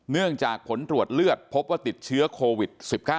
เนื่องจากผลตรวจเลือดพบว่าติดเชื้อโควิด๑๙